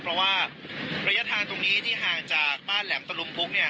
เพราะว่าระยะทางตรงนี้ที่ห่างจากบ้านแหลมตะลุมพุกเนี่ย